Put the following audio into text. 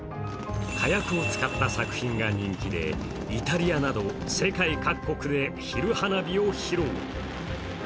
火薬を使った作品が人気でイタリアなどで世界各国で昼花火を作った。